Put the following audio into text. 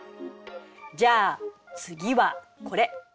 じゃあ次はこれ。